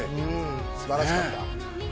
素晴らしかった。